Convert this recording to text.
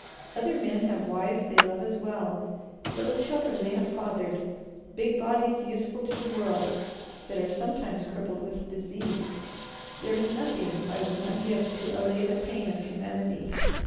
Other men have wives they love as well, little children they have fathered, big bodies useful to the world, that are sometimes crippled with disease. There is nothing I would not give to allay the pain of humanity.